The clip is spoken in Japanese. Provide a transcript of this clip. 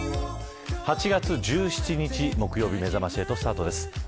８月１７日木曜日めざまし８スタートです。